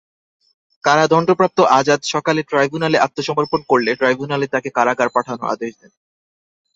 কারাদণ্ডপ্রাপ্ত আযাদ সকালে ট্রাইব্যুনালে আত্মসমর্পণ করলে ট্রাইব্যুনাল তাঁকে কারাগারে পাঠানোর আদেশ দেন।